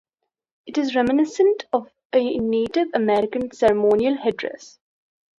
It is reminiscent of a Native American ceremonial headdress.